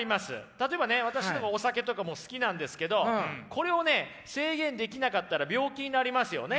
例えばね私お酒とかも好きなんですけどこれをね制限できなかったら病気になりますよね。